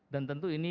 dan tentu ini